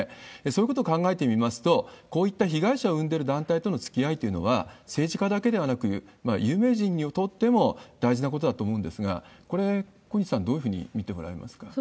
そういうことを考えてみますと、こういった被害者を生んでる団体とのつきあいというのは、政治家だけではなく、有名人にとっても大事なことだと思うんですが、これ、小西さん、どういうふうに見ておられますか？